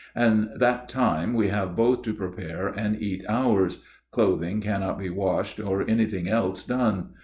In that time we have both to prepare and eat ours. Clothing cannot be washed or anything else done.